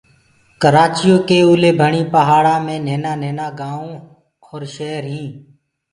ڪرآچيو ڪي اوليڀڻيٚ پهآڙآنٚ مي نهينآ نهينآ گآئونٚ ائينٚ شير هينٚ